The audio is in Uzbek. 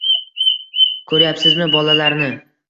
Ko`ryapsizmi bolalarni